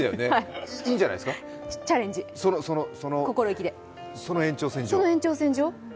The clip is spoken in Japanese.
いいんじゃないですか、その延長線上。